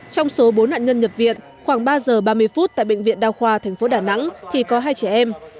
trong số bốn nạn nhân nhập viện khoảng ba giờ ba mươi phút tại bệnh viện đa khoa tp đà nẵng thì có hai trẻ em